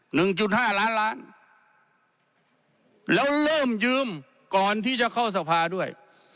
หนึ่งจุดห้าล้านล้านแล้วเริ่มยืมก่อนที่จะเข้าสภาด้วย